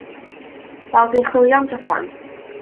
Wel, dwi yn chwilio am joban.